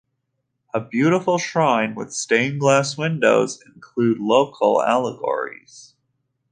A beautiful shrine with Stained glass windows include local allegories.